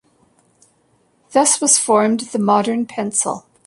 Thus was formed the modern pencil.